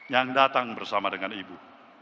yang datang bersama dengan ibu